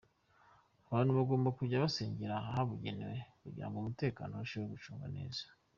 Abantu bagomba kujya basengera ahabugenewe kugira ngo umutekano urusheho gucungwa neza.